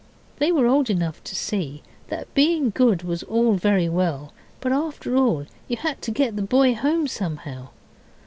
They were old enough to see that being good was all very well, but after all you had to get the boy home somehow.